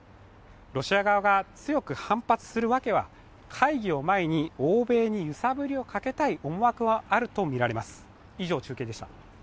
ロシア側が強く反発する訳は、会議を前に欧米に揺さぶりをかけたい思惑はあるとみられます。